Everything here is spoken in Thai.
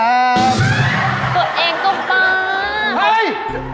ตัวเองก็เปิ้ล